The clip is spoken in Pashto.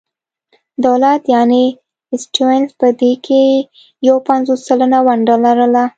دولت یعنې سټیونز په دې کې یو پنځوس سلنه ونډه لرله.